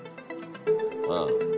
ああ。